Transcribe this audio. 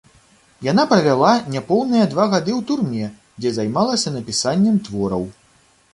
Яна правяла няпоўныя два гады ў турме, дзе займалася напісаннем твораў.